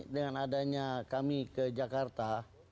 dengan adanya kami ke jakarta